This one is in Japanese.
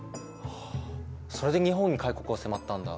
はあそれで日本に開国を迫ったんだ。